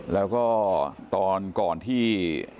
แล้วก็ตอนก่อนที่